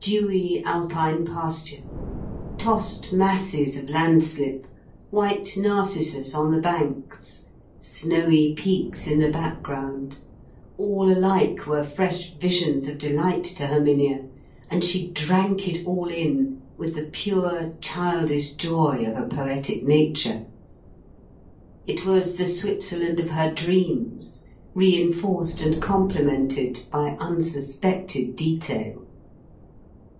Dewy Alpine pasture, tossed masses of land slip, white narcissus on the banks, snowy peaks in the background—all alike were fresh visions of delight to Herminia; and she drank it all in with the pure childish joy of a poetic nature. It was the Switzerland of her dreams, reinforced and complemented by unsuspected detail.